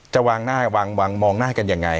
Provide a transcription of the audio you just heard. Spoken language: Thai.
จะวางมองหน้ากันยังไง